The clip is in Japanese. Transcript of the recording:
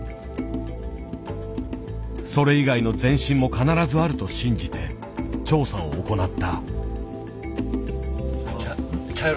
それ以外の全身も必ずあると信じて調査を行った。